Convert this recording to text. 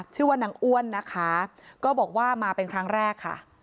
ชื่อว่านางอ้วนนะคะก็บอกว่ามาเป็นครั้งแรกค่ะ